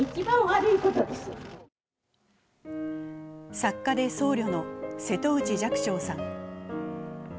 作家で僧侶の瀬戸内寂聴さん。